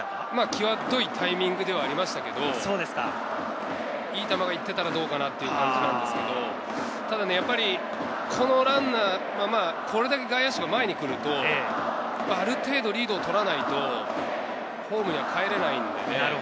際どいタイミングではありましたけど、いい球がいっていたらどうかな？という感じなんですけど、ただ、このランナー、これだけ外野手が前に来ると、ある程度リードを取らないと、ホームにはかえれないんでね。